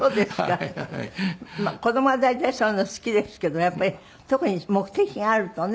子供は大体そういうの好きですけどやっぱり特に目的があるとね。